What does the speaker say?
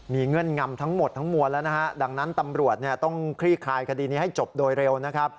เงื่อนงำทั้งหมดทั้งมวลแล้วนะฮะดังนั้นตำรวจต้องคลี่คลายคดีนี้ให้จบโดยเร็วนะครับ